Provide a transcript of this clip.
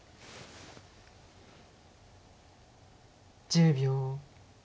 １０秒。